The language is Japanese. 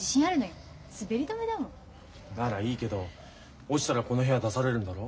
ならいいけど落ちたらこの部屋出されるんだろ？